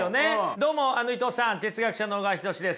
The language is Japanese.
どうも伊藤さん哲学者の小川仁志です。